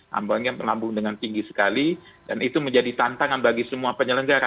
tambangnya melambung dengan tinggi sekali dan itu menjadi tantangan bagi semua penyelenggara